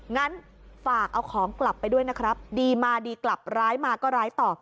งั้นฝากเอาของกลับไปด้วยนะครับดีมาดีกลับร้ายมาก็ร้ายต่อ